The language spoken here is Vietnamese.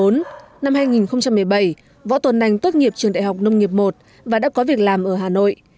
năm hai nghìn một mươi bảy võ tồn anh tốt nghiệp trường đại học nông nghiệp một và đã có việc làm ở hà nội